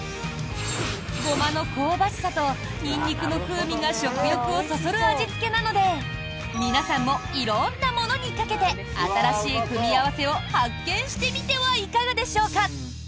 ゴマの香ばしさとニンニクの風味が食欲をそそる味付けなので皆さんも色んなものにかけて新しい組み合わせを発見してみてはいかがでしょうか。